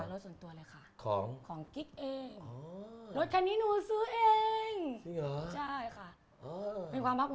รถตู้ข้างในรถส่วนตัว